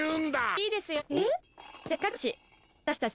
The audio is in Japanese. ・いいですよ。